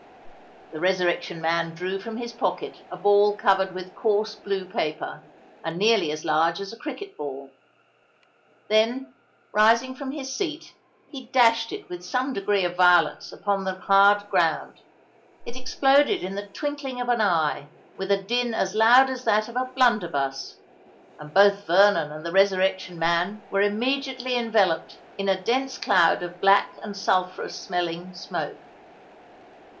The Resurrection Man drew from his pocket a ball covered with coarse blue paper, and nearly as large as a cricket ball. Then, rising from his seat, he dashed it with some degree of violence upon the hard ground. It exploded in the twinkling of an eye, with a din as loud as that of a blunderbuss; and both Vernon and the Resurrection Man were immediately enveloped in a dense cloud of black and sulphurous smelling smoke.